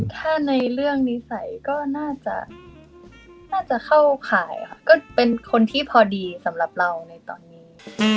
ถ้าในเรื่องนิสัยก็น่าจะน่าจะเข้าข่ายค่ะก็เป็นคนที่พอดีสำหรับเราในตอนนี้